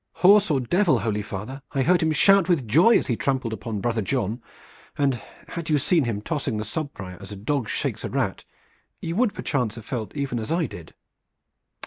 "Horse or Devil, holy father, I heard him shout with joy as he trampled upon Brother John, and had you seen him tossing the subprior as a dog shakes a rat you would perchance have felt even as I did."